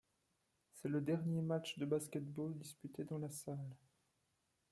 C'est le dernier match de basket-ball disputé dans la salle.